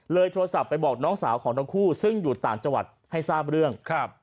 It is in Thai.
โทรศัพท์ไปบอกน้องสาวของทั้งคู่ซึ่งอยู่ต่างจังหวัดให้ทราบเรื่อง